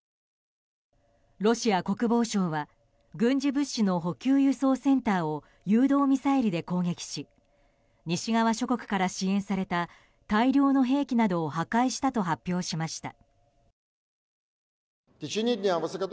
ロシア国防省は軍事物資の補給輸送センターを誘導ミサイルで攻撃し西側諸国から支援された大量の兵器などを破壊したと発表しました。